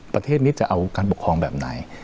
ประเทศนี้จะเอาการปกครองแบบไหน